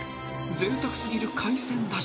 ［ぜいたく過ぎる海鮮だし］